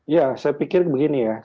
ya saya pikir begini ya